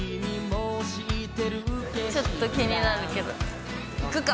ちょっと気になるけど、行くか。